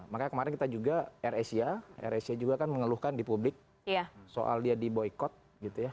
makanya kemarin kita juga air asia air asia juga kan mengeluhkan di publik soal dia di boykot gitu ya